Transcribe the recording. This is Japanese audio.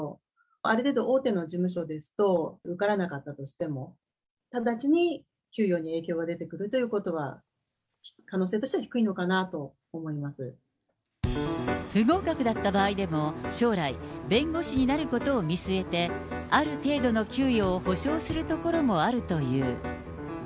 ある程度、大手の事務所ですと、受からなかったとしても、ただちに給与に影響が出てくるということは、可能性としては低い不合格だった場合でも、将来、弁護士になることを見据えて、ある程度の給与を保障するところもあるという。